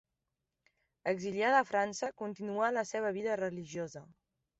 Exiliada a França, continuà la seva vida religiosa.